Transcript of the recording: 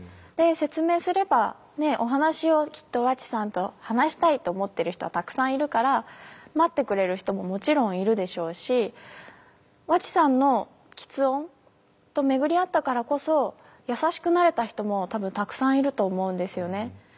で説明すればお話をきっと和智さんと話したいと思ってる人はたくさんいるから待ってくれる人ももちろんいるでしょうし和智さんの吃音と巡り会ったからこそ優しくなれた人も多分たくさんいると思うんですよね。